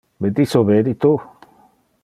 Me disobedi tu?